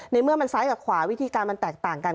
เมื่อมันซ้ายกับขวาวิธีการมันแตกต่างกัน